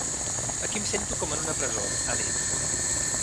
Aquí em sento com en una presó, ha dit.